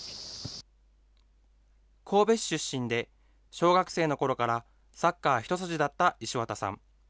神戸市出身で、小学生のころからサッカー一筋だった石渡さん。